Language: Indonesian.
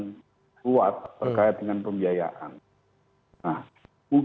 pak bambang ini memiliki jajarin yang pak bambang ini memiliki jajarin yang pak bambang ini memiliki jajarin yang